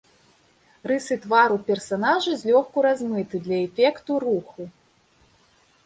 Рысы твару персанажа злёгку размыты для эфекту руху.